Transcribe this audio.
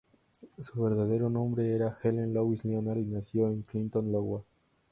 Su verdadero nombre era Helen Louise Leonard, y nació en Clinton, Iowa.